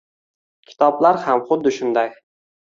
Kitoblar ham xuddi shunday.